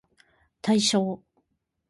対象